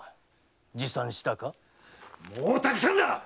もうたくさんだ！